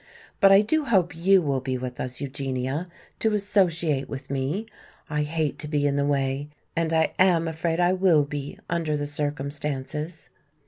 "But I do hope you will be with us, Eugenia, to associate with me! I hate to be in the way. And I am afraid I will be, under the circumstances."